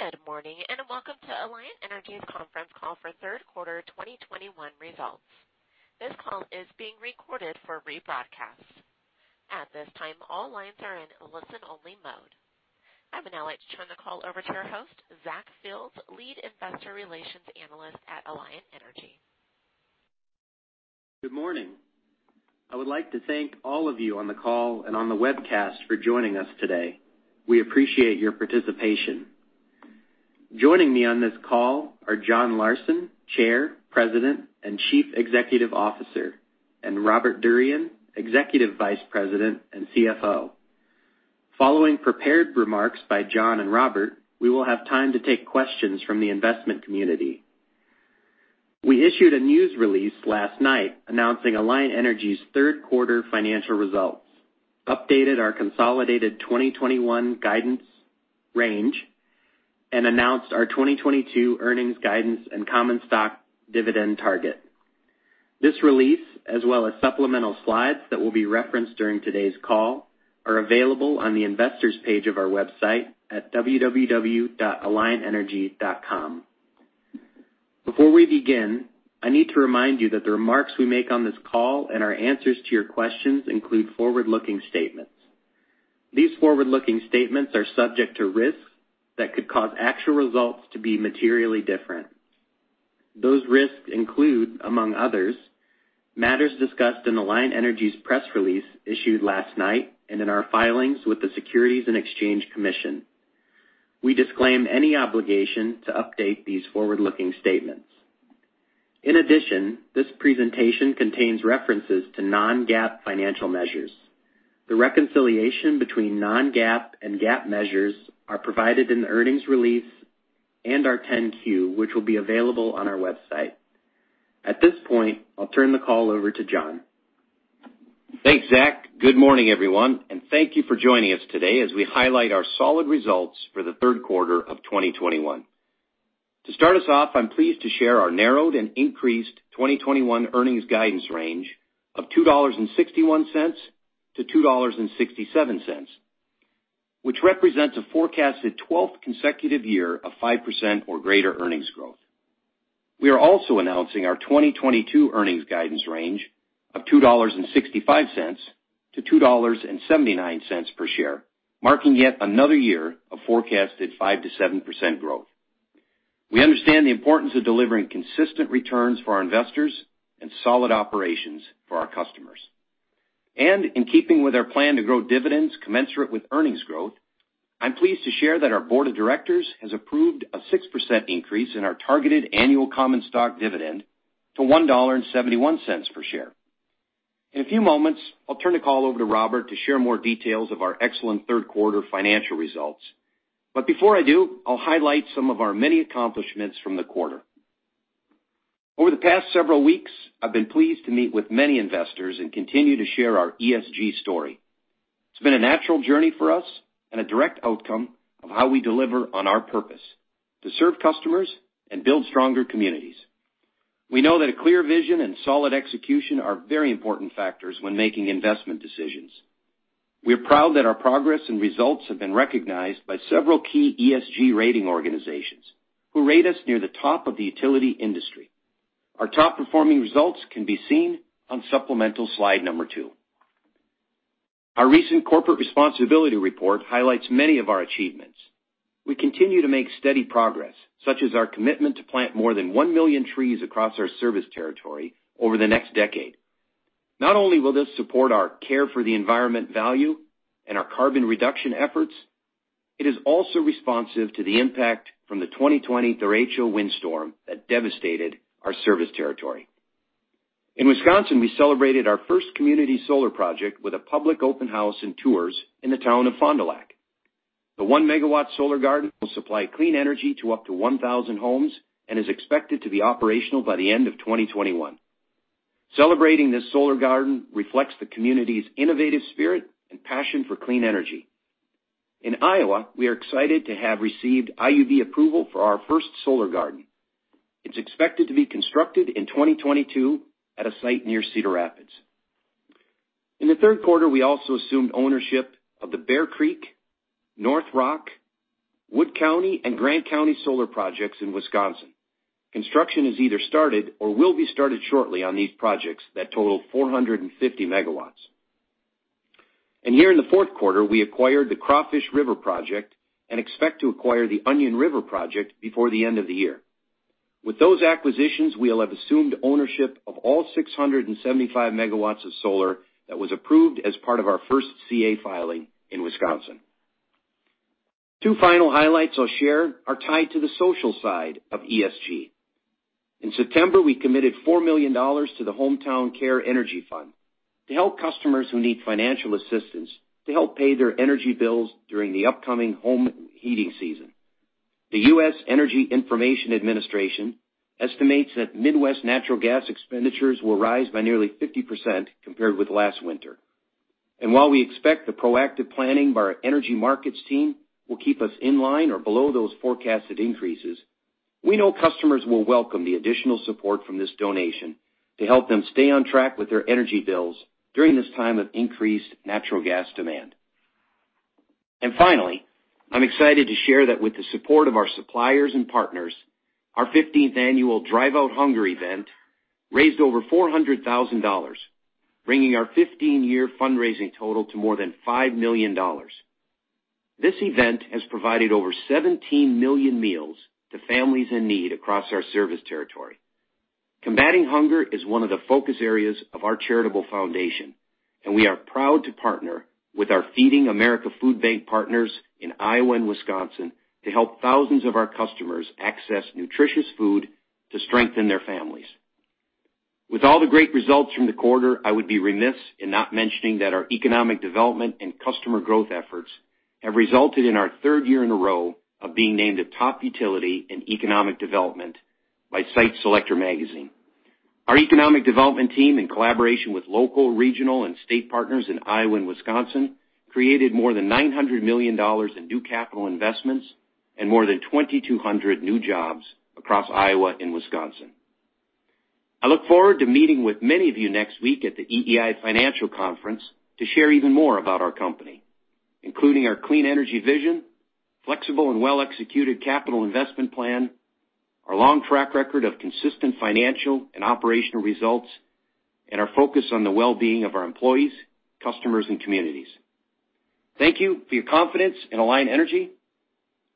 Good morning, and welcome to Alliant Energy's Conference Call for Third Quarter 2021 Results. This call is being recorded for rebroadcast. At this time, all lines are in listen-only mode. I would now like to turn the call over to our host, Zac Fields, Lead Investor Relations Analyst at Alliant Energy. Good morning. I would like to thank all of you on the call and on the webcast for joining us today. We appreciate your participation. Joining me on this call are John Larsen, Chair, President, and Chief Executive Officer, and Robert Durian, Executive Vice President and CFO. Following prepared remarks by John and Robert, we will have time to take questions from the investment community. We issued a news release last night announcing Alliant Energy's third quarter financial results, updated our consolidated 2021 guidance range, and announced our 2022 earnings guidance and common stock dividend target. This release, as well as supplemental slides that will be referenced during today's call, are available on the investors page of our website at www.alliantenergy.com. Before we begin, I need to remind you that the remarks we make on this call and our answers to your questions include forward-looking statements. These forward-looking statements are subject to risks that could cause actual results to be materially different. Those risks include, among others, matters discussed in Alliant Energy's press release issued last night and in our filings with the Securities and Exchange Commission. We disclaim any obligation to update these forward-looking statements. In addition, this presentation contains references to non-GAAP financial measures. The reconciliation between non-GAAP and GAAP measures are provided in the earnings release and our 10-Q, which will be available on our website. At this point, I'll turn the call over to John. Thanks, Zach. Good morning, everyone, and thank you for joining us today as we highlight our solid results for the third quarter of 2021. To start us off, I'm pleased to share our narrowed and increased 2021 earnings guidance range of $2.61-$2.67, which represents a forecasted 12th consecutive year of 5% or greater earnings growth. We are also announcing our 2022 earnings guidance range of $2.65-$2.79 per share, marking yet another year of forecasted 5%-7% growth. We understand the importance of delivering consistent returns for our investors and solid operations for our customers. In keeping with our plan to grow dividends commensurate with earnings growth, I'm pleased to share that our board of directors has approved a 6%, increase in our targeted annual common stock dividend to $1.71 per share. In a few moments, I'll turn the call over to Robert to share more details of our excellent third quarter financial results. Before I do, I'll highlight some of our many accomplishments from the quarter. Over the past several weeks, I've been pleased to meet with many investors and continue to share our ESG story. It's been a natural journey for us and a direct outcome of how we deliver on our purpose, to serve customers and build stronger communities. We know that a clear vision and solid execution are very important factors when making investment decisions. We're proud that our progress and results have been recognized by several key ESG rating organizations who rate us near the top of the utility industry. Our top-performing results can be seen on supplemental slide number 2. Our recent corporate responsibility report highlights many of our achievements. We continue to make steady progress, such as our commitment to plant more than 1 million trees across our service territory over the next decade. Not only will this support our care for the environment value and our carbon reduction efforts, it is also responsive to the impact from the 2020 derecho windstorm that devastated our service territory. In Wisconsin, we celebrated our first community solar project with a public open house and tours in the town of Fond du Lac. The 1-MW solar garden will supply clean energy to up to 1,000 homes and is expected to be operational by the end of 2021. Celebrating this solar garden reflects the community's innovative spirit and passion for clean energy. In Iowa, we are excited to have received IUB approval for our first solar garden. It's expected to be constructed in 2022 at a site near Cedar Rapids. In the third quarter, we also assumed ownership of the Bear Creek, North Rock, Wood County, and Grant County solar projects in Wisconsin. Construction has either started or will be started shortly on these projects that total 450 MW. Here in the fourth quarter, we acquired the Crawfish River Project and expect to acquire the Onion River Project before the end of the year. With those acquisitions, we'll have assumed ownership of 675 MW of solar that was approved as part of our first CA filing in Wisconsin. Two final highlights I'll share are tied to the social side of ESG. In September, we committed $4 million to the Hometown Care Energy Fund to help customers who need financial assistance to help pay their energy bills during the upcoming home heating season. The US Energy Information Administration estimates that Midwest natural gas expenditures will rise by nearly 50%, compared with last winter. While we expect the proactive planning by our energy markets team will keep us in line or below those forecasted increases. We know customers will welcome the additional support from this donation to help them stay on track with their energy bills during this time of increased natural gas demand. Finally, I'm excited to share that with the support of our suppliers and partners, our 15th annual Drive Out Hunger event raised over $400,000, bringing our 15-year fundraising total to more than $5 million. This event has provided over 17 million meals to families in need across our service territory. Combating hunger is one of the focus areas of our charitable foundation, and we are proud to partner with our Feeding America food bank partners in Iowa and Wisconsin to help thousands of our customers access nutritious food to strengthen their families. With all the great results from the quarter, I would be remiss in not mentioning that our economic development and customer growth efforts have resulted in our 3rd year in a row of being named a top utility in economic development by Site Selection Magazine. Our economic development team, in collaboration with local, regional, and state partners in Iowa and Wisconsin, created more than $900 million in new capital investments and more than 2,200 new jobs across Iowa and Wisconsin. I look forward to meeting with many of you next week at the EEI Financial Conference to share even more about our company, including our clean energy vision, flexible and well-executed capital investment plan, our long track record of consistent financial and operational results, and our focus on the well-being of our employees, customers, and communities. Thank you for your confidence in Alliant Energy.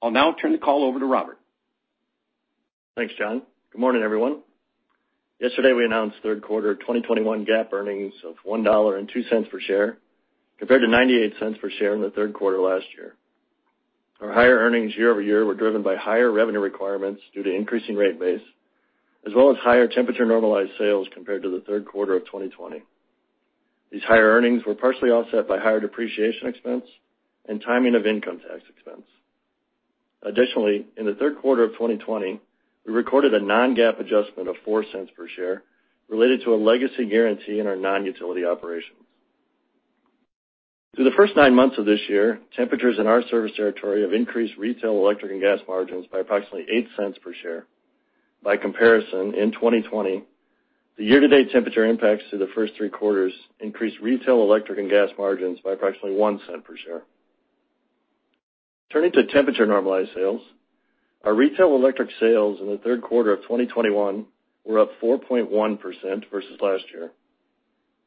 I'll now turn the call over to Robert. Thanks, John. Good morning, everyone. Yesterday, we announced third quarter 2021 GAAP earnings of $1.02 per share, compared to $0.98 per share in the third quarter last year. Our higher earnings year-over-year were driven by higher revenue requirements due to increasing rate base, as well as higher temperature-normalized sales compared to the third quarter of 2020. These higher earnings were partially offset by higher depreciation expense and timing of income tax expense. Additionally, in the third quarter of 2020, we recorded a non-GAAP adjustment of $0.04 per share related to a legacy guarantee in our non-utility operations. Through the first 9 months of this year, temperatures in our service territory have increased retail electric and gas margins by approximately $0.08 per share. By comparison, in 2020, the year-to-date temperature impacts to the first three quarters increased retail electric and gas margins by approximately $0.01 per share. Turning to temperature-normalized sales, our retail electric sales in the third quarter of 2021 were up 4.1% versus last year.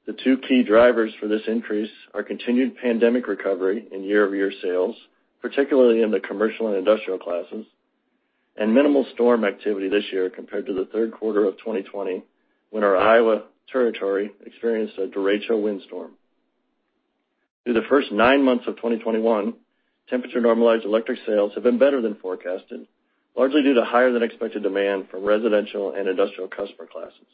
The two key drivers for this increase are continued pandemic recovery in year-over-year sales, particularly in the commercial and industrial classes, and minimal storm activity this year compared to the third quarter of 2020 when our Iowa territory experienced a derecho windstorm. Through the first nine months of 2021, temperature-normalized electric sales have been better than forecasted, largely due to higher than expected demand from residential and industrial customer classes.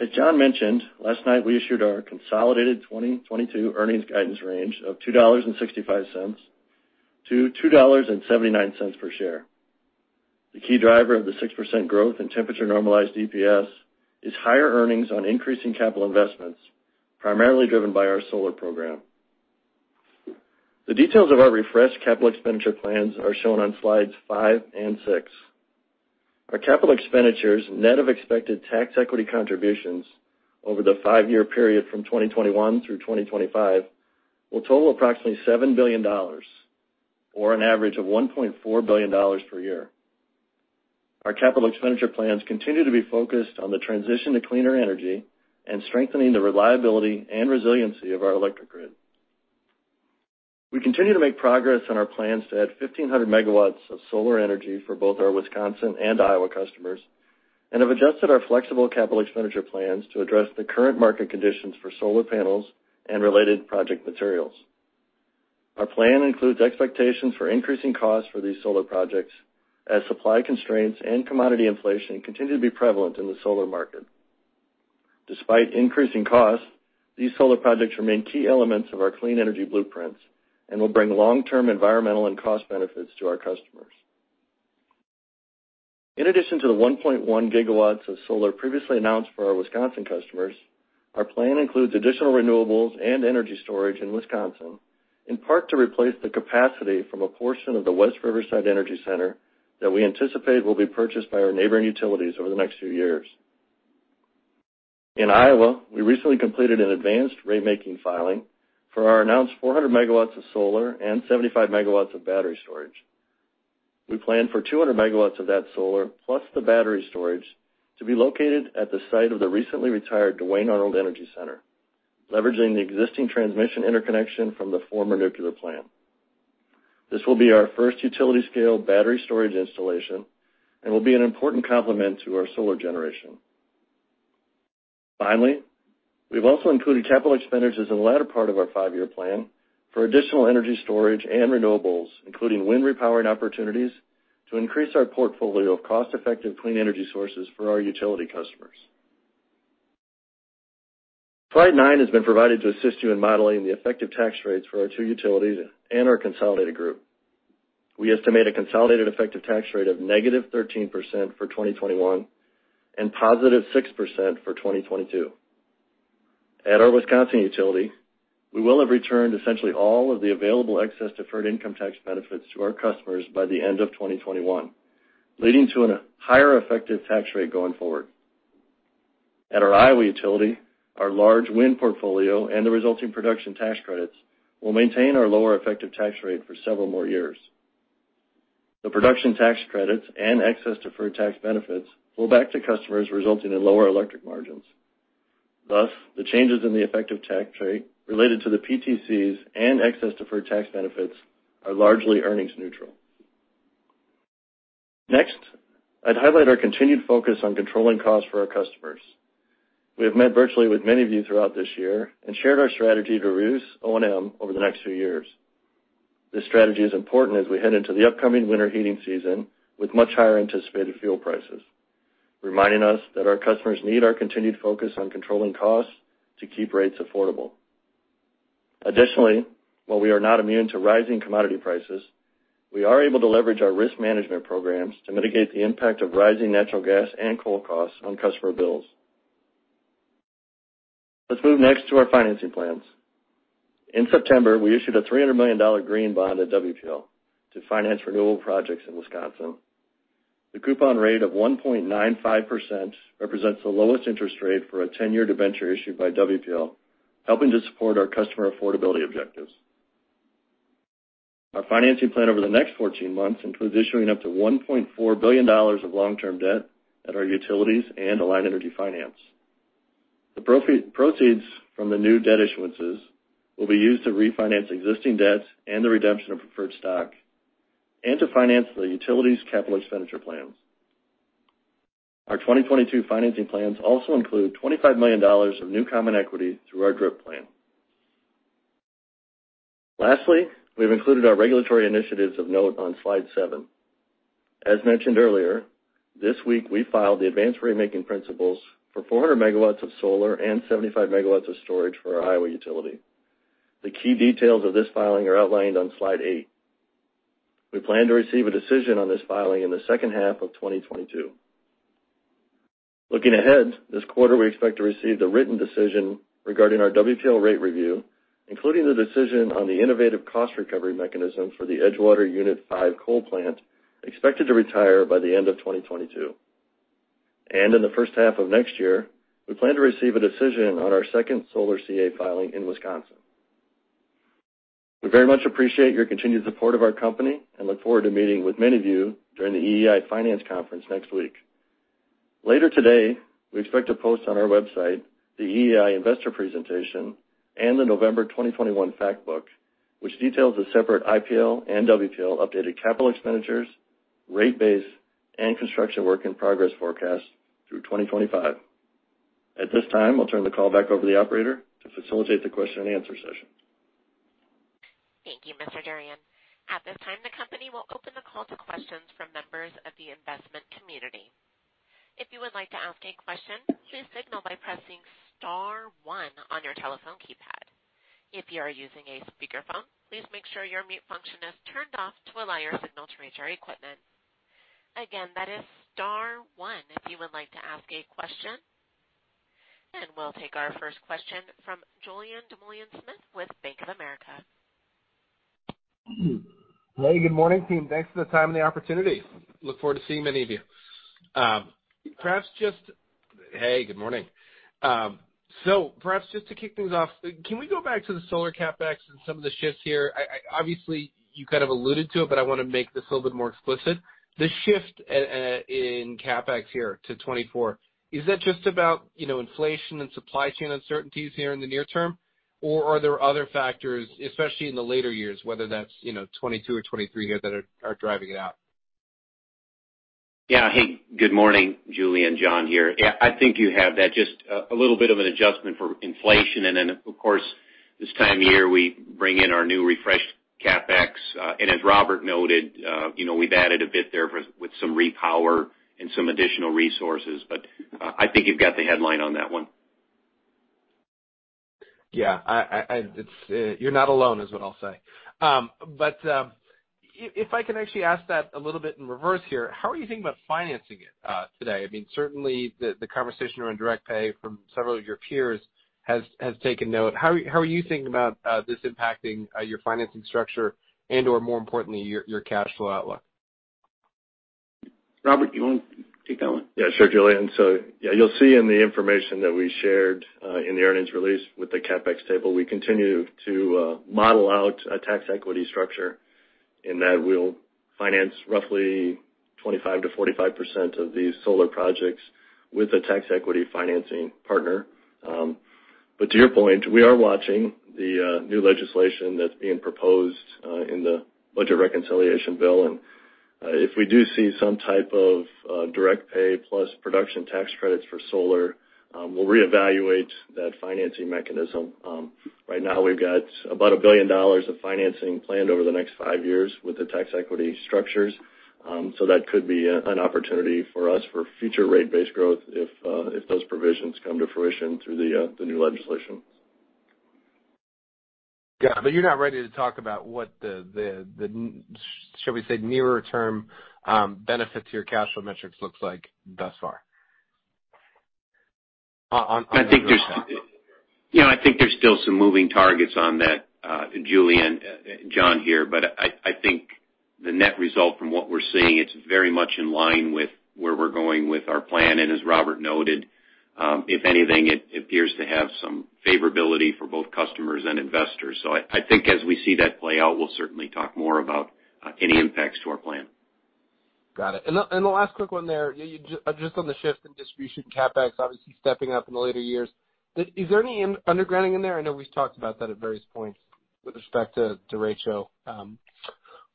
As John mentioned, last night we issued our consolidated 2022 earnings guidance range of $2.65-$2.79 per share. The key driver of the 6%, growth in temperature-normalized EPS is higher earnings on increasing capital investments, primarily driven by our solar program. The details of our refreshed capital expenditure plans are shown on slides 5 and 6. Our capital expenditures, net of expected tax equity contributions over the 5-year period from 2021 through 2025, will total approximately $7 billion or an average of $1.4 billion per year. Our capital expenditure plans continue to be focused on the transition to cleaner energy and strengthening the reliability and resiliency of our electric grid. We continue to make progress on our plans to add 1,500 MW of solar energy for both our Wisconsin and Iowa customers, and have adjusted our flexible capital expenditure plans to address the current market conditions for solar panels and related project materials. Our plan includes expectations for increasing costs for these solar projects as supply constraints and commodity inflation continue to be prevalent in the solar market. Despite increasing costs, these solar projects remain key elements of our clean energy blueprints and will bring long-term environmental and cost benefits to our customers. In addition to the 1.1 gigawatts of solar previously announced for our Wisconsin customers, our plan includes additional renewables and energy storage in Wisconsin, in part to replace the capacity from a portion of the West Riverside Energy Center that we anticipate will be purchased by our neighboring utilities over the next few years. In Iowa, we recently completed an advance ratemaking filing for our announced 400 MW of solar and 75 MW of battery storage. We plan for 200 MW of that solar plus the battery storage to be located at the site of the recently retired Duane Arnold Energy Center, leveraging the existing transmission interconnection from the former nuclear plant. This will be our first utility-scale battery storage installation and will be an important complement to our solar generation. Finally, we've also included capital expenditures in the latter part of our five-year plan for additional energy storage and renewables, including wind repowering opportunities, to increase our portfolio of cost-effective clean energy sources for our utility customers. Slide 9 has been provided to assist you in modeling the effective tax rates for our two utilities and our consolidated group. We estimate a consolidated effective tax rate of -13% for 2021 and +6% for 2022. At our Wisconsin utility, we will have returned essentially all of the available excess deferred income tax benefits to our customers by the end of 2021, leading to a higher effective tax rate going forward. At our Iowa utility, our large wind portfolio and the resulting production tax credits will maintain our lower effective tax rate for several more years. The production tax credits and excess deferred tax benefits flow back to customers, resulting in lower electric margins. Thus, the changes in the effective tax rate related to the PTCs and excess deferred tax benefits are largely earnings neutral. Next, I'd highlight our continued focus on controlling costs for our customers. We have met virtually with many of you throughout this year and shared our strategy to reduce O&M over the next few years. This strategy is important as we head into the upcoming winter heating season with much higher anticipated fuel prices, reminding us that our customers need our continued focus on controlling costs to keep rates affordable. Additionally, while we are not immune to rising commodity prices, we are able to leverage our risk management programs to mitigate the impact of rising natural gas and coal costs on customer bills. Let's move next to our financing plans. In September, we issued a $300 million green bond at WPL to finance renewable projects in Wisconsin. The coupon rate of 1.95%, represents the lowest interest rate for a 10-year debenture issued by WPL, helping to support our customer affordability objectives. Our financing plan over the next 14 months includes issuing up to $1.4 billion of long-term debt at our utilities and Alliant Energy Finance. The proceeds from the new debt issuances will be used to refinance existing debts and the redemption of preferred stock and to finance the utilities capital expenditure plans. Our 2022 financing plans also include $25 million of new common equity through our DRIP plan. Lastly, we've included our regulatory initiatives of note on slide seven. As mentioned earlier, this week, we filed the advance ratemaking principles for 400 MW of solar and 75 MW of storage for our Iowa utility. The key details of this filing are outlined on slide eight. We plan to receive a decision on this filing in the second half of 2022. Looking ahead, this quarter, we expect to receive the written decision regarding our WPL rate review, including the decision on the innovative cost recovery mechanism for the Edgewater Unit 5 coal plant, expected to retire by the end of 2022. In the first half of next year, we plan to receive a decision on our second solar CA filing in Wisconsin. We very much appreciate your continued support of our company and look forward to meeting with many of you during the EEI Financial Conference next week. Later today, we expect to post on our website the EEI investor presentation and the November 2021 fact book, which details the separate IPL and WPL updated capital expenditures, rate base, and construction work in progress forecast through 2025. At this time, I'll turn the call back over to the operator to facilitate the question and answer session. Thank you, Mr. Durian. At this time, the company will open the call to questions from members of the investment community. If you would like to ask a question, please signal by pressing star one on your telephone keypad. If you are using a speakerphone, please make sure your mute function is turned off to allow your signal to reach our equipment. Again, that is star one if you would like to ask a question. We'll take our first question from Julien Dumoulin-Smith with Bank of America. Hey, good morning, team. Thank you for the time and the opportunity. I look forward to seeing many of you. Perhaps just to kick things off, can we go back to the solar CapEx and some of the shifts here? Obviously, you kind of alluded to it, but I wanna make this a little bit more explicit. The shift in CapEx here to 2024, is that just about, you know, inflation and supply chain uncertainties here in the near term, or are there other factors, especially in the later years, whether that's, you know, 2022 or 2023 here that are driving it out? Yeah. Hey, good morning, Julien. John here. Yeah, I think you have that. Just a little bit of an adjustment for inflation. Then, of course, this time of year, we bring in our new refreshed CapEx. As Robert noted, you know, we've added a bit there for with some repower and some additional resources. I think you've got the headline on that one. Yeah. It's, you're not alone is what I'll say. If I can actually ask that a little bit in reverse here, how are you thinking about financing it today? I mean, certainly the conversation around direct pay from several of your peers has taken note. How are you thinking about this impacting your financing structure and/or more importantly, your cash flow outlook? Robert, do you want to take that one? Yeah, sure, Julien. Yeah, you'll see in the information that we shared in the earnings release with the CapEx table, we continue to model out a tax equity structure in that we'll finance roughly 25%-45%, of these solar projects with a tax equity financing partner. To your point, we are watching the new legislation that's being proposed in the budget reconciliation bill. If we do see some type of direct pay plus production tax credits for solar, we'll reevaluate that financing mechanism. Right now we've got about $1 billion of financing planned over the next five years with the tax equity structures. That could be an opportunity for us for future rate base growth if those provisions come to fruition through the new legislation. Yeah, you're not ready to talk about what the shall we say, nearer term benefit to your cash flow metrics looks like thus far? I think there's still some moving targets on that, Julien. John here. But I think the net result from what we're seeing, it's very much in line with where we're going with our plan. As Robert noted, if anything, it appears to have some favorability for both customers and investors. I think as we see that play out, we'll certainly talk more about any impacts to our plan. Got it. The last quick one there, you just on the shift in distribution CapEx obviously stepping up in the later years. Is there any undergrounding in there? I know we've talked about that at various points with respect to ratio.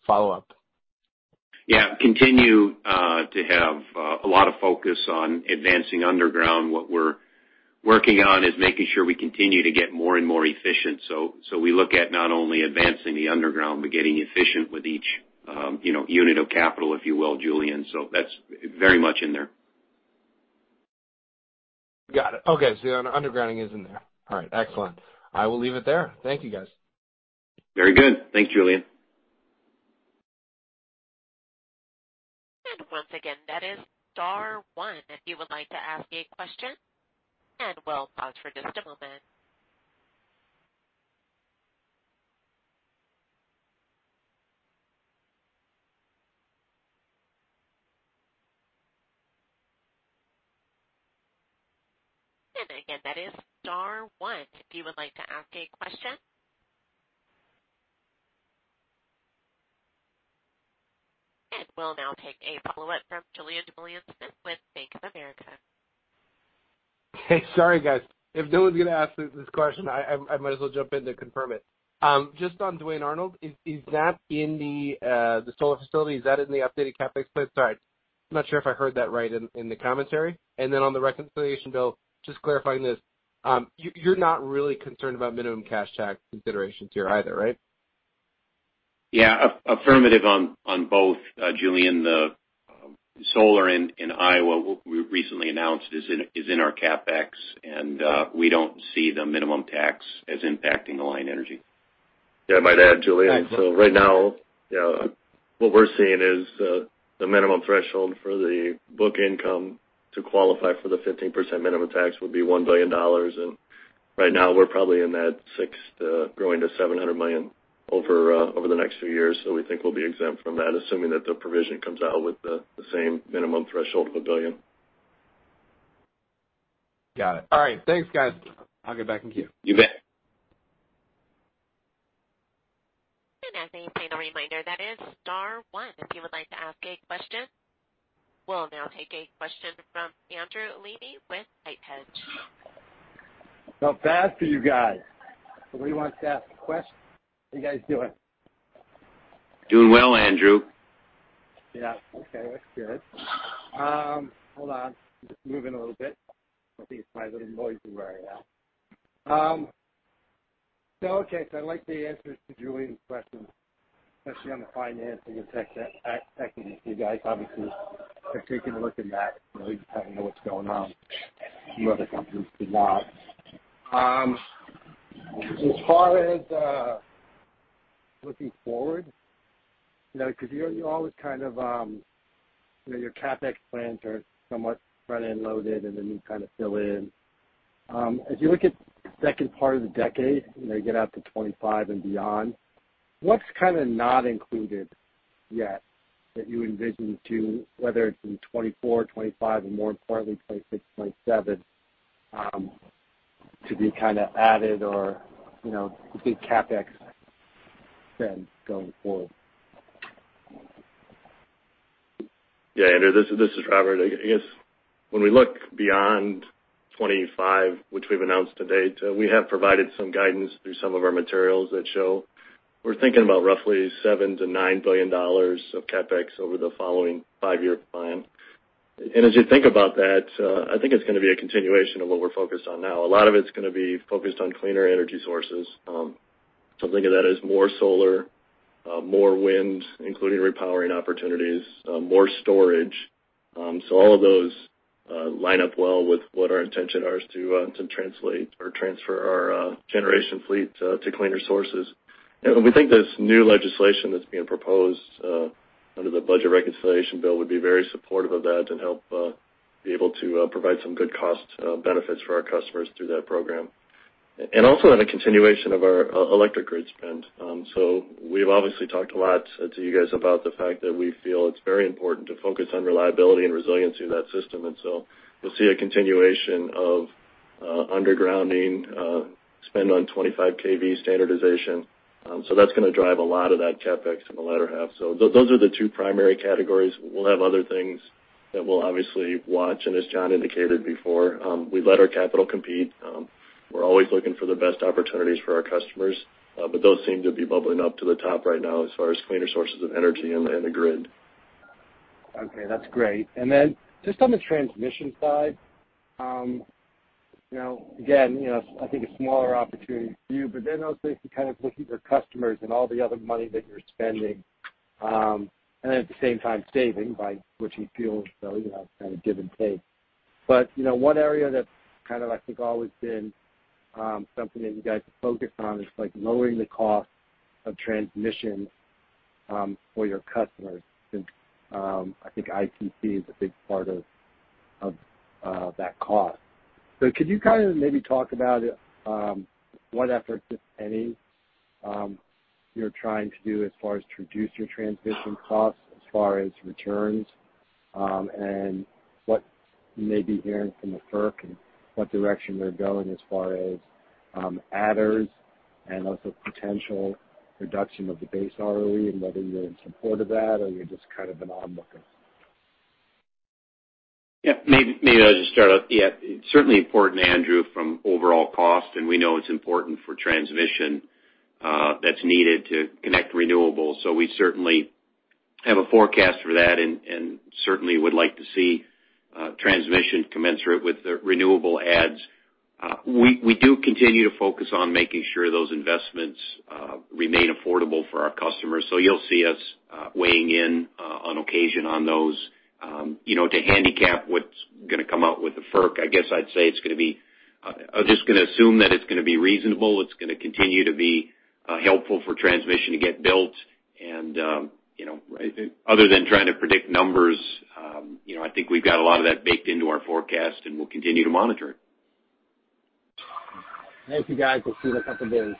Follow up. Yeah, we continue to have a lot of focus on advancing underground. What we're working on is making sure we continue to get more and more efficient. We look at not only advancing the underground, but getting efficient with each, you know, unit of capital, if you will, Julien. That's very much in there. Got it. Okay, the undergrounding is in there. All right, excellent. I will leave it there. Thank you, guys. Very good. Thanks, Julien. Once again, that is star one if you would like to ask a question, and we'll pause for just a moment. Again, that is star one if you would like to ask a question. We'll now take a follow-up from Julien Dumoulin-Smith with Bank of America. Hey, sorry, guys. If no one's gonna ask this question, I might as well jump in to confirm it. Just on Duane Arnold, is that in the solar facility? Is that in the updated CapEx plan? Sorry, I'm not sure if I heard that right in the commentary. On the reconciliation bill, just clarifying this, you're not really concerned about minimum cash tax considerations here either, right? Yeah, affirmative on both, Julien. The solar in Iowa we recently announced is in our CapEx, and we don't see the minimum tax as impacting Alliant Energy. Yeah. I might add, Julien. Thanks, Robert. Right now, you know, what we're seeing is the minimum threshold for the book income to qualify for the 15%, minimum tax would be $1 billion. Right now, we're probably in that $600 million, growing to $700 million over the next few years. We think we'll be exempt from that, assuming that the provision comes out with the same minimum threshold of $1 billion. Got it. All right. Thanks, guys. I'll get back in queue. You bet. As a final reminder, that is star one if you would like to ask a question. We'll now take a question from Andrew Weisel with Piper Jaffray. Fast for you guys. Who wants to ask a question? How you guys doing? Doing well, Andrew. Yeah. Okay, that's good. Hold on. Just moving a little bit. I think it's a little noisy where I am. Okay. I like the answers to Julien's question, especially on the financing of tech. You guys obviously are taking a look at that really depending on what's going on, some other companies did not. As far as looking forward, you know, because you always kind of, you know, your CapEx plans are somewhat front-end loaded, and then you kind of fill in. As you look at the second part of the decade, you know, get out to 2025 and beyond, what's kind of not included yet that you envision to, whether it's in 2024, 2025 or more importantly, 2026, 2027, to be kind of added or, you know, the big CapEx spend going forward? Yeah. Andrew, this is Robert. I guess when we look beyond 25, which we've announced to date, we have provided some guidance through some of our materials that show we're thinking about roughly $7 billion-$9 billion of CapEx over the following five-year plan. As you think about that, I think it's gonna be a continuation of what we're focused on now. A lot of it's gonna be focused on cleaner energy sources. Think of that as more solar, more wind, including repowering opportunities, more storage. All of those line up well with what our intention are is to translate or transfer our generation fleet to cleaner sources. We think this new legislation that's being proposed under the budget reconciliation bill would be very supportive of that and help be able to provide some good cost benefits for our customers through that program. Also in a continuation of our electric grid spend. We've obviously talked a lot to you guys about the fact that we feel it's very important to focus on reliability and resiliency of that system. You'll see a continuation of undergrounding spend on 25 kV standardization. That's gonna drive a lot of that CapEx in the latter half. Those are the two primary categories. We'll have other things that we'll obviously watch, and as John indicated before, we let our capital compete. We're always looking for the best opportunities for our customers. Those seem to be bubbling up to the top right now as far as cleaner sources of energy and the grid. Okay, that's great. Just on the transmission side, you know, again, you know, I think a smaller opportunity for you, but then I'll say to kind of look at your customers and all the other money that you're spending, and at the same time saving by which you feel, you know, kind of give and take. You know, one area that's kind of, I think, always been something that you guys have focused on is, like, lowering the cost of transmission for your customers since I think ITC is a big part of that cost. Could you kind of maybe talk about what efforts, if any, you're trying to do as far as to reduce your transmission costs as far as returns, and what you may be hearing from the FERC and what direction they're going as far as adders and also potential reduction of the base ROE and whether you're in support of that or you're just kind of an onlooker? Maybe I'll just start off. Certainly important, Andrew, from overall cost, and we know it's important for transmission, that's needed to connect renewables. We certainly have a forecast for that and certainly would like to see transmission commensurate with the renewable adds. We do continue to focus on making sure those investments remain affordable for our customers. You'll see us weighing in on occasion on those. You know, to handicap what's gonna come out with the FERC, I guess I'd say it's gonna be. I'm just gonna assume that it's gonna be reasonable. It's gonna continue to be helpful for transmission to get built. You know, other than trying to predict numbers, you know, I think we've got a lot of that baked into our forecast, and we'll continue to monitor it. Thank you, guys. We'll see you in a couple days.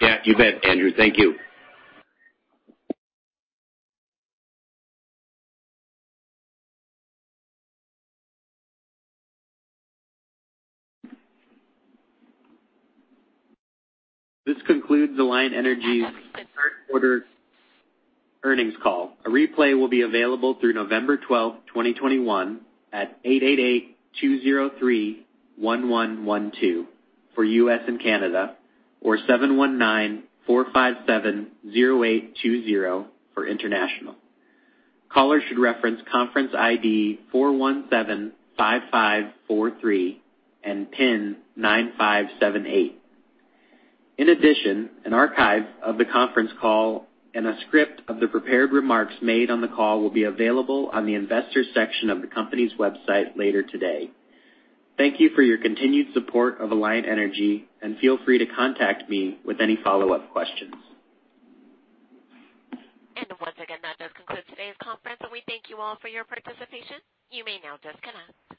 Yeah, you bet, Andrew. Thank you. This concludes Alliant Energy's third quarter earnings call. A replay will be available through November 12, 2021 at 888-203-1112 for U.S. and Canada, or 719-457-0820 for international. Callers should reference conference ID 4175543 and pin 9578. In addition, an archive of the conference call and a script of the prepared remarks made on the call will be available on the Investors section of the company's website later today. Thank you for your continued support of Alliant Energy, and feel free to contact me with any follow-up questions. Once again, that does conclude today's conference, and we thank you all for your participation. You may now disconnect.